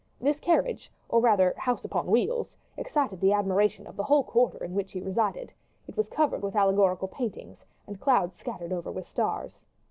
This carriage, or rather house upon wheels, excited the admiration of the whole quarter in which he resided it was covered with allegorical paintings, and clouds scattered over with stars.